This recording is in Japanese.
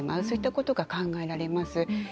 そういったことが考えられます。